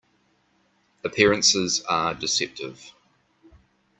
Appearances are deceptive.